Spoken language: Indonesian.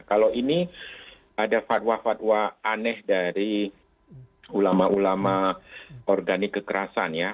kalau ini ada fatwa fatwa aneh dari ulama ulama organik kekerasan ya